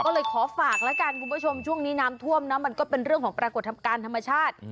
ก็เลยขอฝากแล้วกันคุณผู้ชมช่วงนี้น้ำท่วมนะมันก็เป็นเรื่องของปรากฏการณ์ธรรมชาติ